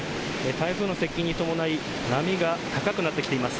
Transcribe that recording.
台風の接近に伴い波が高くなってきています。